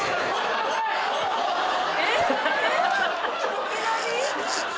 いきなり？